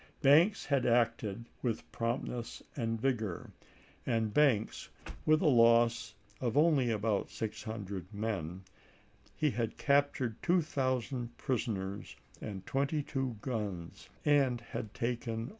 Banks had acted with promptness and vigor, and, Banks, with a loss of only about 600 men, he had captured AprliMsk 2000 prisoners and twenty two guns, and had taken voi.